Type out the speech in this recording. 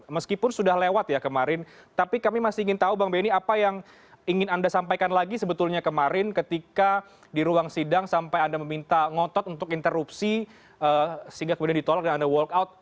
meskipun sudah lewat ya kemarin tapi kami masih ingin tahu bang benny apa yang ingin anda sampaikan lagi sebetulnya kemarin ketika di ruang sidang sampai anda meminta ngotot untuk interupsi sehingga kemudian ditolak dan anda walk out